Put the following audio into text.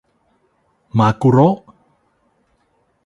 มากุโระ !